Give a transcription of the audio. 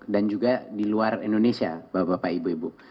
dan juga di luar indonesia bapak ibu ibu